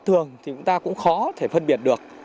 thường thì chúng ta cũng khó thể phân biệt được